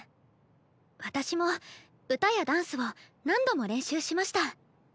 私も歌やダンスを何度も練習しました。